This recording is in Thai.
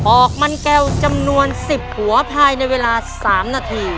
ออกมันแก้วจำนวน๑๐หัวภายในเวลา๓นาที